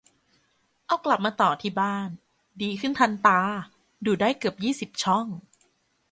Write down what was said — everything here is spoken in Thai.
เอากลับมาต่อที่บ้าน ดีขึ้นทันตา ดูได้เกือบยี่สิบช่อง